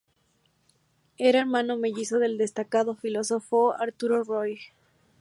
Era hermano mellizo del destacado filósofo Arturo Roig.